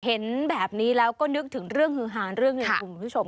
เห็นแบบนี้แล้วก็นึกถึงเรื่องฮือหาเรื่องหนึ่งคุณผู้ชม